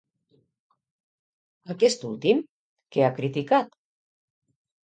Aquest últim, què ha criticat?